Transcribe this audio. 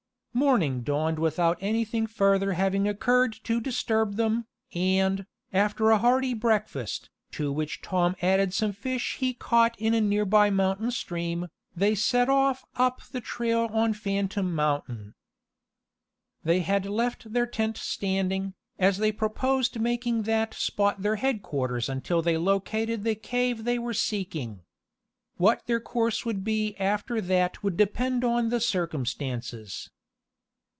Morning dawned without anything further having occurred to disturb them, and, after a hearty breakfast, to which Tom added some fish he caught in a nearby mountain stream, they set off up the trail on Phantom Mountain. They had left their tent standing, as they proposed making that spot their headquarters until they located the cave they were seeking. What their course would be after that would depend on the circumstances.